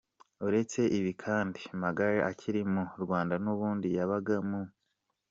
Uretse ibi kandi, Magaly akiri mu Rwanda n’ubundi yabaga mu